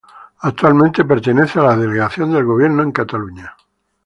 Actualmente pertenece a la Delegación del Gobierno en Cataluña.